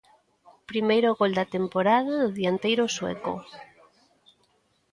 Primeiro gol da temporada do dianteiro sueco.